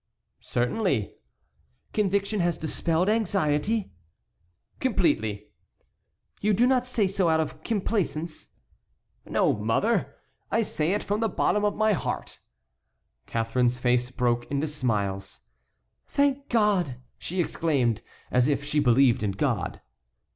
"Certainly." "Conviction has dispelled anxiety?" "Completely." "You do not say so out of complaisance?" "No, mother! I say it from the bottom of my heart." Catharine's face broke into smiles. "Thank God!" she exclaimed, as if she believed in God.